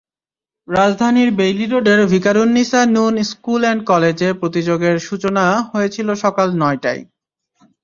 রাজধানীর বেইলি রোডের Viqarunnisa Noon school and কলেজে প্রতিযোগের সূচনা হয়েছিল সকাল নয়টায়।